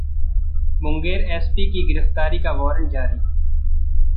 Munger SP की गिरफ्तारी का वारंट जारी